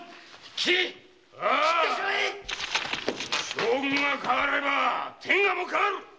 将軍が代われば天下も変わる。